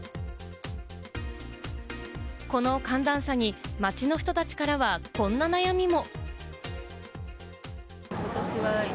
この寒暖差に街の人たちからは、こんな悩みも。